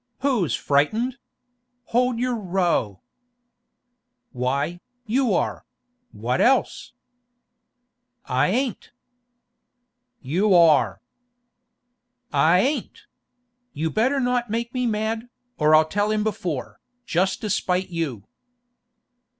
'Who's frightened? Hold your row!' 'Why, you are; what else?' 'I ain't!' 'You are!' 'I ain't! You'd better not make me mad, or I'll tell him before, just to spite you.